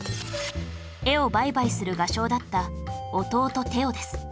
絵を売買する画商だった弟テオです